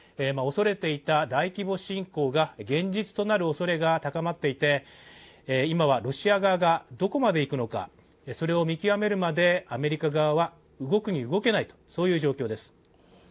恐れていた大規模侵攻が現実となるおそれが高まっていて今は、ロシア側がどこまでいくのかそれを見極めるまでアメリカ側は動くに動けないとそういう状況です。